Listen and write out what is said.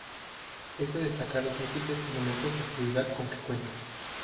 Es de destacar los múltiples elementos de seguridad con que cuenta.